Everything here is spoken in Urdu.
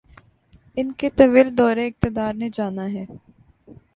ان کے طویل دور اقتدار نے جانا ہے۔